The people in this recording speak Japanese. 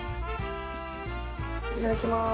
いただきます！